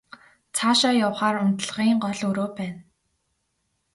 Цаашаа явахаар унтлагын гол өрөө байна.